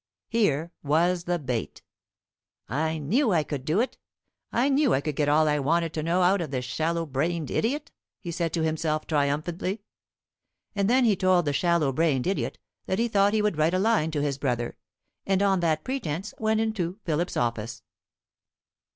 Here was the bait. "I knew I could do it; I knew I could get all I wanted to know out of this shallow brained idiot," he said to himself, triumphantly. And then he told the shallow brained idiot that he thought he would write a line to his brother; and on that pretence went into Philip's office.